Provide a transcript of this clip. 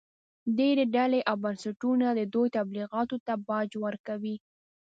ډېرې ډلې او بنسټونه د دوی تبلیغاتو ته باج ورکوي